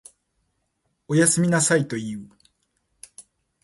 おやすみなさいと言う。